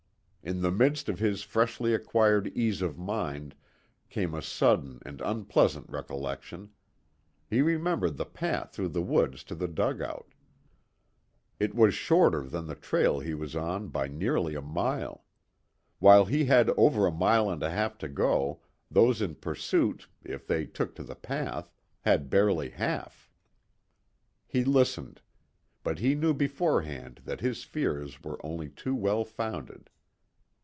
In the midst of his freshly acquired ease of mind came a sudden and unpleasant recollection. He remembered the path through the woods to the dugout; it was shorter than the trail he was on by nearly a mile. While he had over a mile and a half to go, those in pursuit, if they took to the path, had barely half. He listened. But he knew beforehand that his fears were only too well founded.